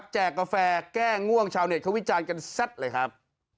กาแฟแก้ง่วงชาวเน็ตเขาวิจารณ์กันแซ่บเลยครับ